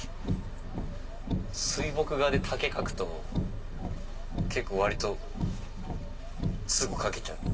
水墨画で竹描くと結構すぐ描けちゃう。